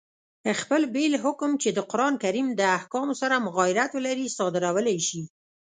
خپل بېل حکم، چي د قرآن کریم د احکامو سره مغایرت ولري، صادرولای سي.